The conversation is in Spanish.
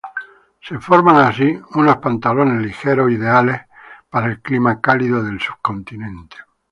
Se forma así unos pantalones ligeros ideales para el clima cálido del subcontinente.